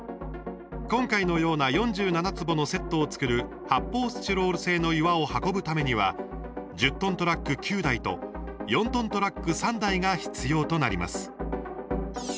今回のような４７坪のセットを作る発泡スチロール製の岩を運ぶためには１０トントラック９台と４トントラック３台が必要となります。